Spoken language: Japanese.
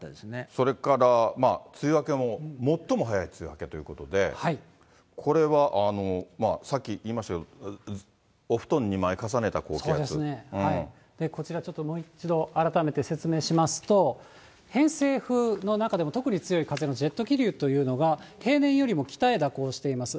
それから梅雨明けも最も早い梅雨明けということで、これはさっき言いましたけど、こちら、ちょっと改めて説明しますと、偏西風の中でも、特に強い風のジェット気流というのが、平年よりも北へ蛇行しています。